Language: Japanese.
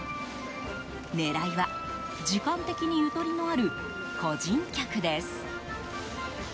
狙いは、時間的にゆとりのある個人客です。